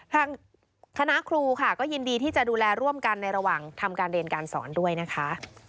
ทางคณะครูค่ะก็ยินดีที่จะดูแลร่วมกันในระหว่างทำการเรียนการสอนด้วยนะคะ